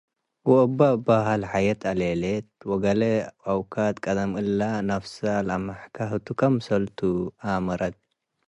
ወእባእባህሀ ለሐየት አሌሌት፡ ወገሌ አውካድ ቀደም እለ' ነፍሰ ለመሐከ ህቱ ክምሰል ቱ ኣመረት።